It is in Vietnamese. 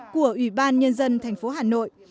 của ủy ban nhân dân thành phố hà nội